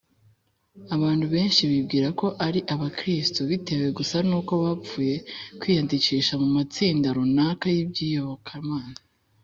abantu benshi bibwira ko ari abakristo bitewe gusa n’uko bapfuye kwiyandikisha mu matsinda runaka y’iby’iyobokamana